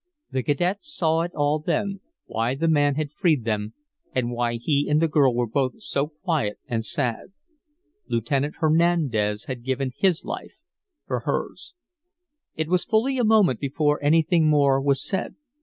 The cadet saw it all then, why the man had freed them and why he and the girl were both so quiet and sad. Lieutenant Hernandez had given his life for hers. It was fully a minute before anything more was said.